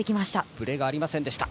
ブレがありませんでした。